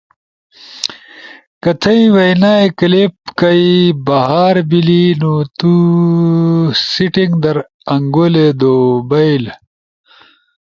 کہ تھئی وینا کلپ کائی بھار بیلی نو تو سیٹینگ در انگولی دو بئیل